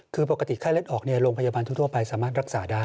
คือปกติไข้เลือดออกโรงพยาบาลทั่วไปสามารถรักษาได้